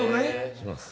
します。